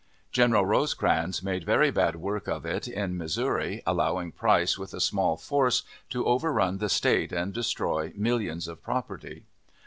General Rosecrans made very bad work of it in Missouri, allowing Price with a small force to overrun the State and destroy millions of property.